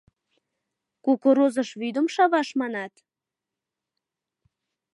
Кукурузыш вӱдым шаваш манат?